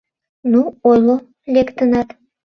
Ну, ойло, лектынат?